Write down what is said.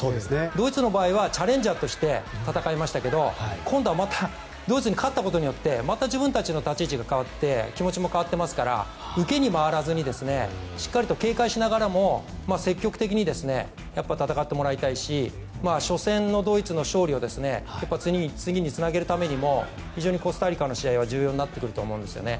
ドイツの場合はチャレンジャーとして戦いました今度ドイツに勝ったことによってまた自分たちの立ち位置が変わって気持ちも変わっていますから受けに回らずにしっかりと警戒しながらも積極的に戦ってもらいたいし初戦のドイツの勝利を次につなげるためにも非常にコスタリカの試合は重要になってくると思うんですよね。